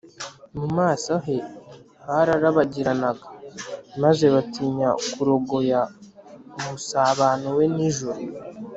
. Mu maso he hararabagiranaga, maze batinya kurogoya umusabano We n’ijuru